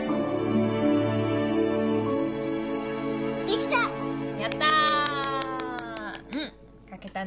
できた！